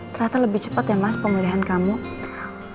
pela yang seluas tadi gak peduli saya tunggu hospitalnya